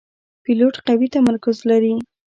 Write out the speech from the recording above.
پیلوټ قوي تمرکز لري.